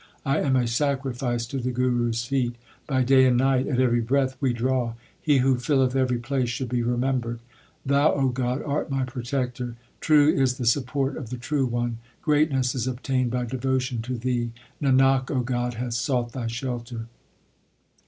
I am a sacrifice to the Guru s feet. By day and night, at every breath we draw, He who filleth every place should be remembered. Thou, O God, art my protector ; True is the support of the True One. Greatness is obtained by devotion to Thee. Nanak, O God, hath sought Thy shelter.